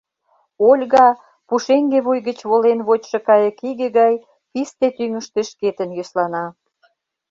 Ольга — пушеҥге вуй гыч волен вочшо кайык иге гай писте тӱҥыштӧ шкетын йӧслана.